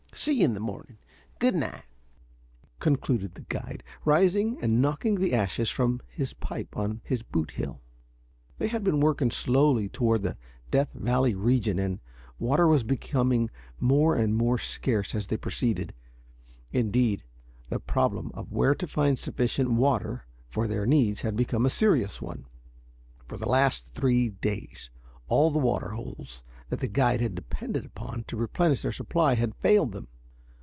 See you in the morning. Good night," concluded the guide, rising and knocking the ashes from his pipe on his boot heel. They had been working slowly toward the Death Valley region, and water was becoming more and more scarce as they proceeded. Indeed, the problem of where to find sufficient water for their needs had become a serious one. For the last three days all the water holes that the guide had depended upon to replenish their supply had failed them.